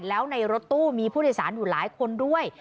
แล้วในรถตู้มีผู้โดยสารอยู่หลายคนด้วย